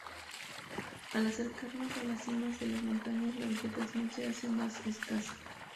Al acercarnos a las cimas de las montañas la vegetación se hace más escasa.